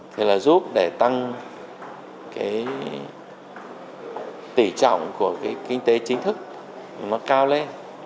thì là giúp để tăng cái tỉ trọng của cái kinh tế chính thức nó cao lên